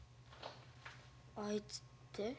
あいつって？